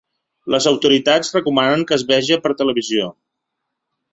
Les autoritats recomanen que es veja per televisió.